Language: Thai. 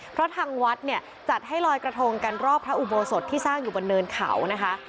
เพราะทางวัดเนี่ยจัดให้ลอยกระทงกันรอบพระอุโบสถที่สร้างอยู่บนเนินเขานะคะ